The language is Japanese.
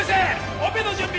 オペの準備！